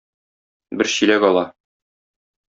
Бер чиләк ала.